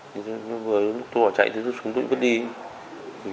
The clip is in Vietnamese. vừa lúc tôi bỏ chạy lúc súng tôi cũng vứt đi